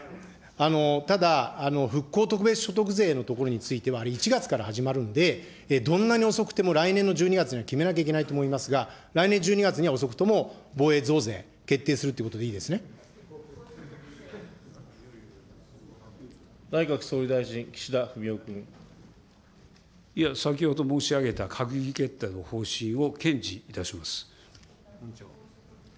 ただ、復興特別所得税のところについては、１月から始まるんで、どんなに遅くても来年の１２月には決めなきゃいけないと思いますが、来年１２月には遅くとも防衛増税、決定するということでいい内閣総理大臣、岸田文雄君。いや、先ほど申し上げた閣議決定の方針を堅持いたします。